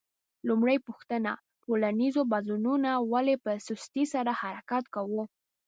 لومړۍ پوښتنه: ټولنیزو بدلونونو ولې په سستۍ سره حرکت کاوه؟